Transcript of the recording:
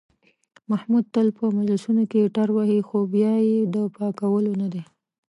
محمود تل په مجلسونو کې ټروهي، خو بیا یې د پاکولو نه دي.